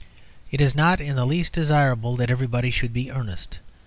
It is not in the least desirable that everybody should be earnest.